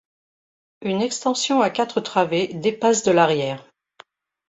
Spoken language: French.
Une extension à quatre travées dépasse de l'arrière.